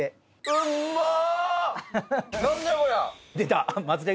うまっ